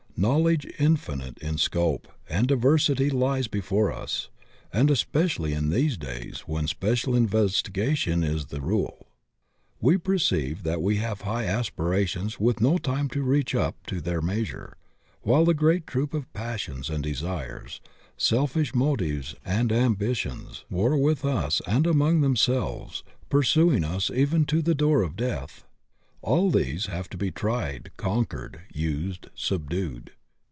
Knowledge infin ite in scope and diversity lies before us, and espe cially in these days when special investigation is the rule. We perceive that we have high aspirations with no time to reach up to their measure, while the great troop of passions and desires, selfish motives and am k ONE LIFE INADEQUATE FOR DEVELOPMENT 83 bitions, war with us and among themselves, pursuing us even to the door of death. All these have to be tried, conquered, used, subdued.